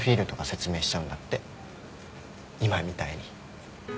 今みたいに。